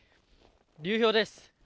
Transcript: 流氷です。